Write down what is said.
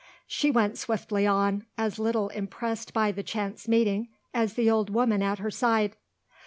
She went swiftly on, as little impressed by the chance meeting as the old woman at her side.